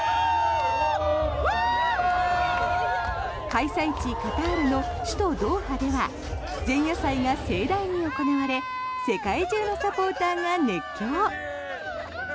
開催地カタールの首都ドーハでは前夜祭が盛大に行われ世界中のサポーターが熱狂。